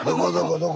どこ？